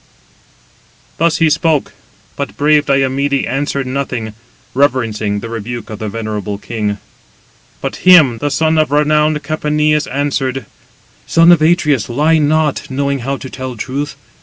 Thus he spoke; but brave Diomede answered nothing, reverencing the rebuke of the venerable king. But him the son of renowned Capaneus answered: "Son of Atreus, lie not, knowing how to tell truth.